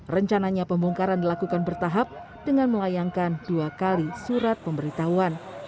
rencananya pembongkaran dilakukan bertahap dengan melayangkan dua kali surat pemberitahuan